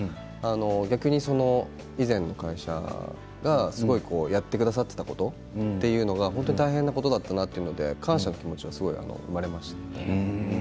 逆に以前の会社がすごくやってくださっていたことというのが本当に大変なことだったなと感謝の気持ちが生まれましたね。